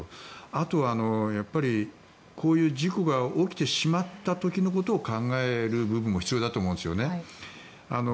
あとはこういう事故が起きてしまったことのことを考える部分も必要だと思うんですよね。